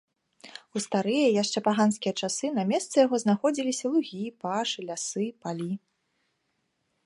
У старыя, яшчэ паганскія часы на месцы яго знаходзіліся лугі, пашы, лясы, палі.